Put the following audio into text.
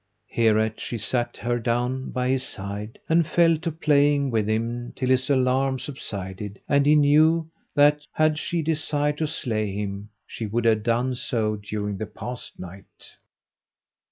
Hereat she sat her down by his side and fell to playing with him, till his alarm subsided and he knew that had she desired to slay him, she would have done so during the past night.